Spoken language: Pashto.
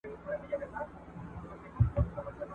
ایوب خان له ليري څارله.